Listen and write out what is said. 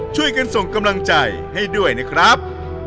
ช่วยกันส่งกำลังใจให้ด้วยนะครับ